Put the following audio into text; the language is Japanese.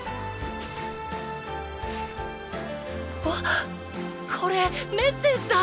あっこれメッセージだ！